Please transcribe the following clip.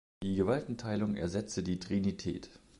Die Gewaltenteilung ersetze die Trinität.